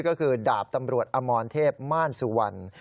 ก็คือดาบตำรวจอมรเทพม่านสุวรรณ